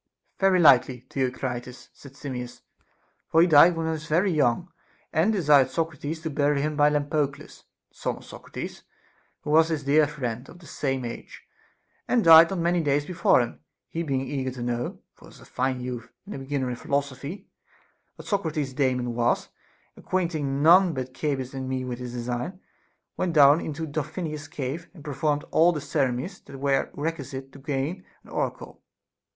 Very likely, Theocritus, said Simmias ; for he died when he was very young, and desired Socrates to bury him by Lampo cles. the son of Socrates, who was his dear friend, of the same age, and died not many days before him. He being eager to know (for he was a fine youth, and a beginner in philosophy) what Socrates's Daemon was, acquainting none but Cebes and me with his design, went down into Tro phonius's cave, and performed all the ceremonies that were requisite to gain an oracle.